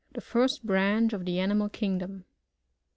The first branch of the Animal kingdom.